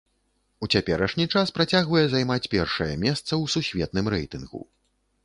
У цяперашні час працягвае займаць першае месца ў сусветным рэйтынгу.